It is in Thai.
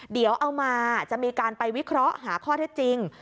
เดี๋ยวเอามาจะมีการไปวิเคราะห์หาข้อเท็จจริง